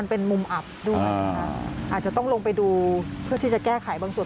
เป็นมุมอับด้วยอาจจะต้องลงไปดูเพื่อที่จะแก้ไขบางส่วน